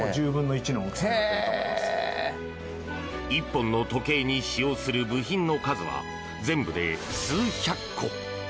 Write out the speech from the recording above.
１本の時計に使用する部品の数は、全部で数百個。